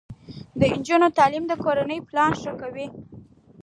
د نجونو تعلیم د کورنۍ پلان ښه کوي.